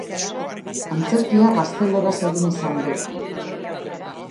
Antzerkia gazteleraz egin izan dut.